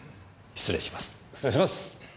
失礼します！